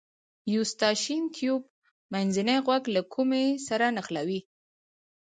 یو ستاشین تیوب منځنی غوږ له کومې سره نښلوي.